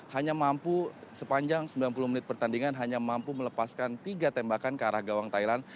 hanya mampu sepanjang sembilan puluh menit pertandingan hanya mampu melepaskan tiga tembakan ke arah gawang thailand